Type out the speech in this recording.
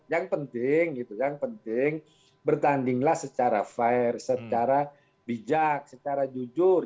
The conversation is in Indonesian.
yang penting yang penting bertandinglah secara bijak secara jujur